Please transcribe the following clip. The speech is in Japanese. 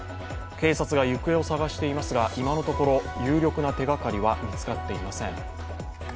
警察が行方を捜していますが、今のところ有力な手がかりは見つかっていません。